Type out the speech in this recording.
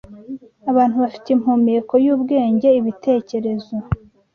abantu bafite impumeko y’ubwenge ibitekerezo